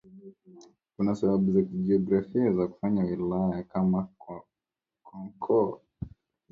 Kuna sababu za kijiografia za kufanya wilaya kama Kakonko kuwa sehemu ya Chato